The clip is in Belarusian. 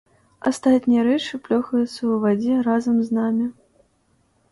Астатнія рэчы плёхаюцца ў вадзе разам з намі.